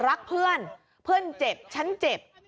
รักเพื่อนเพื่อนเจ็บฉันเจ็บ